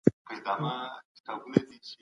ميرويس خان نيکه د فساد مخنیوی څنګه کاوه؟